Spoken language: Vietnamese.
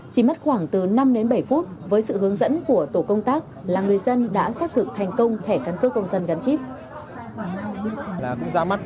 chỉ mất khoảng từ năm đến bảy phút với sự hướng dẫn của tổ công tác là người dân đã xác thực thành công thẻ căn cước công dân gắn chip